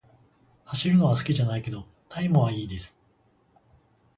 走るのは好きじゃないけど、タイムは良いです。